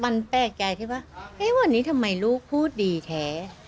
มันแปลกใจที่ว่าวันนี้ทำไมลูกพูดดีแท้